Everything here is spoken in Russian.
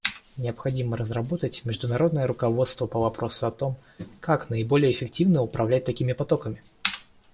Необходимо разработать международное руководство по вопросу о том, как наиболее эффективно управлять такими потоками.